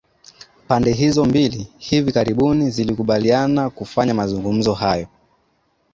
pande hizo mbili hivi karibuni zilikubaliana kufanya mazungumzo hayo